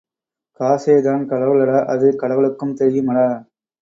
காசேதான் கடவுளடா அது கடவுளுக்கும் தெரியுமடா.